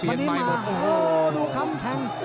โอ้โหดูคำแทง